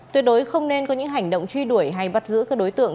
tuyệt đối không nên có những hành động truy đuổi hay bắt giữ các đối tượng